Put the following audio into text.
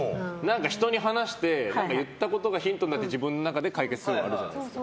人に話して言ったことがヒントになって自分の中で解決するとかじゃないですか。